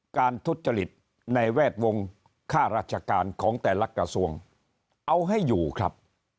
ทุจริตในแวดวงค่าราชการของแต่ละกระทรวงเอาให้อยู่ครับ